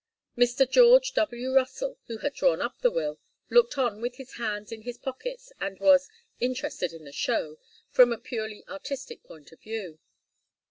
Mr. George W. Russell, who had drawn up the will, looked on with his hands in his pockets, and was 'interested in the show' from a purely artistic point of view.